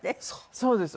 そうです。